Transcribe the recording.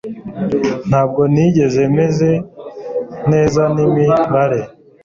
Ntabwo nigeze meze neza nimibare